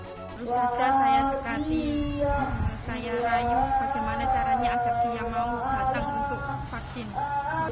sejak saya terkati saya rayu bagaimana caranya agar dia mau datang untuk vaksin